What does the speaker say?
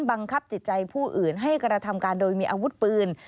บังคับจิตใจผู้อื่นให้กระทำการโดยมีอาวุธปืน